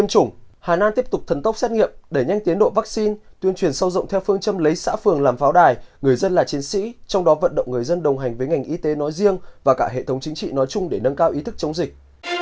các phường làm pháo đài người dân là chiến sĩ trong đó vận động người dân đồng hành với ngành y tế nói riêng và cả hệ thống chính trị nói chung để nâng cao ý thức chống dịch